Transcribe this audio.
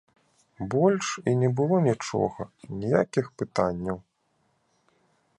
Больш і не было нічога, ніякіх пытанняў.